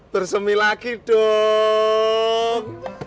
bersumi lagi dong